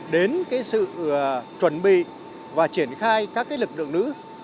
đến sự chuẩn bị và triển khai các lực lượng nữ